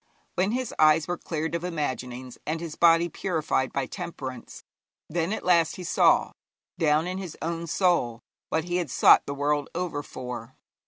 When his eyes were cleared of imaginings, and his body purified by temperance, then at last he saw, down in his own soul, what he had sought the world over for.